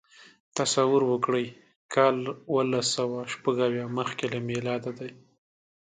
تصور وکړئ کال اوولسسوهشپږاویا مخکې له میلاده دی.